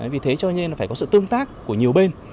vì thế cho nên là phải có sự tương tác của nhiều bên